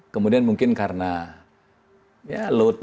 kemudian mungkin karena ya loadnya rendah